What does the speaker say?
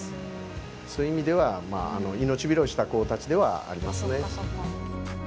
そういう意味では命拾いした子たちではありますね。